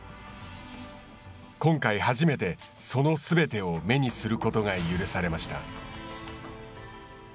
今回初めて、そのすべてを目にすることが許されました。